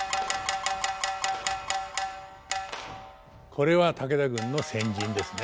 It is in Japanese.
これは武田軍の先陣ですね。